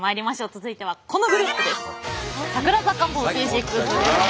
続いてはこのグループです！